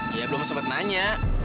dia belum sempat nanya